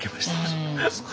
そうですか。